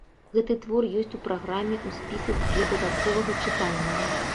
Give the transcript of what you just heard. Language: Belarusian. Гэты твор ёсць у праграме ў спісе для дадатковага чытання.